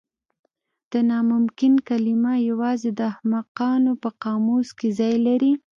د ناممکن کلمه یوازې د احمقانو په قاموس کې ځای لري.